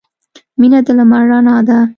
• مینه د لمر رڼا ده.